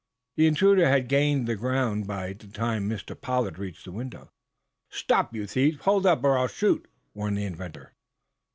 The intruder had gained the ground by the time that Mr. Pollard reached the window. "Stop, you thief! Hold up, or I'll shoot!" warned the inventor.